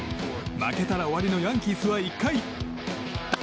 負けたら終わりのヤンキースは１回。